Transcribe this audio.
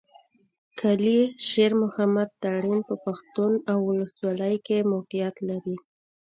کلي شېر محمد تارڼ په پښتون اولسوالۍ کښې موقعيت لري.